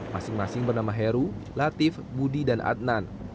masing masing bernama heru latif budi dan adnan